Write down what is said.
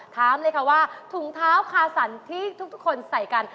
ถามเลยค่ะว่าถุงเท้าคาสันที่ทุกคนใส่กัน